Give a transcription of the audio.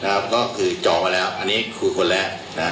แต่ไม่ได้บอกกับใครก็คือจองกันแล้วอันนี้คู่คนแล้ว